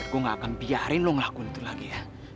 gua gak akan biarin lu ngelakuin itu lagi ya